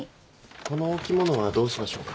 このお着物はどうしましょうか？